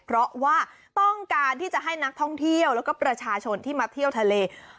เพราะว่าต้องการที่จะให้นักท่องเที่ยวแล้วก็ประชาชนที่มาเที่ยวทะเล